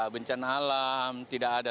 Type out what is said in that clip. bencan alam tidak ada